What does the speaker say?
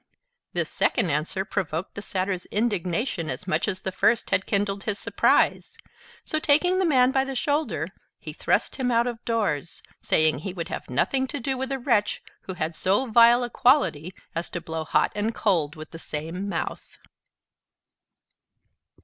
This second answer provoked the Satyr's indignation as much as the first had kindled his surprise: so, taking the man by the shoulder, he thrust him out of doors, saying he would have nothing to do with a wretch who had so vile a quality as to blow hot and cold with the same mouth.